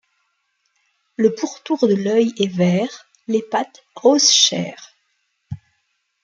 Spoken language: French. Le pourtour de l'œil est vert, les pattes rose chair.